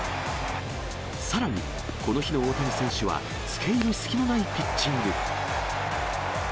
さらに、この日の大谷選手はつけいる隙のないピッチング。